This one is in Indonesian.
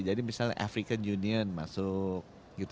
jadi misalnya african union masuk